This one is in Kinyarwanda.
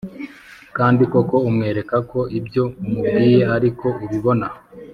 kandi koko umwereka ko ibyo umubwiye ariko ubibona,